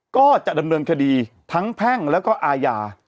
ก็จะดำเนินคดีทั้งแพ่งแล้วก็อาญา